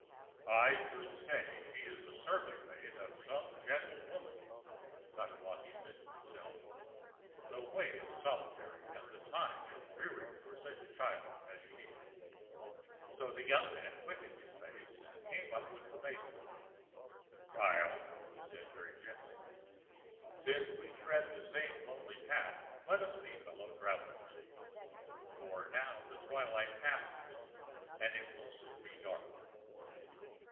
ãI should say she was the serving maid of some gentle lady,ã Tatewaki said to himself. ãThe way is solitary and the time is dreary for such a child as she.ã So the young man quickened his pace and came up with the maiden. ãChild,ã he said very gently, ãsince we tread the same lonely road let us be fellow travellers, for now the twilight passes and it will soon be dark.